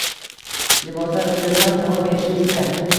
liboslar uchun ham javob berishimiz kerak.